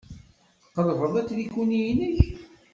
Tqelbeḍ atriku-nni-inek.